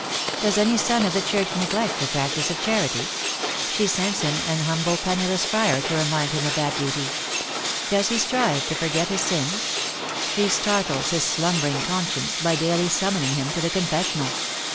Does any son of the church neglect the practice of charity ? she sends him an Jmmble penniless friar THE ACTRESS IN HIGH LIFE. 211 to remind him of that duty. Does he strive to forget his sins? she startles his slumbering conscience by duly summoning him to the confessional.